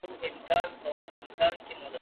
د راتلونکي لپاره پلان کول د کورنۍ د پلار دنده ده.